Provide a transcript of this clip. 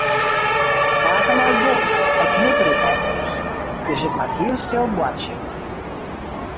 Pake leit boppe en knipperet efkes, dus ik moat hiel stil boartsje.